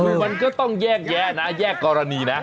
คือมันก็ต้องแยกแยะนะแยกกรณีนะ